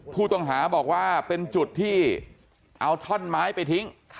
ผู้ต้องหาบอกว่าเป็นจุดที่เอาท่อนไม้ไปทิ้ง